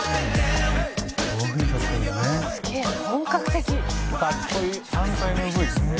「すげえ本格的」「かっこいい」「ちゃんとＭＶですね」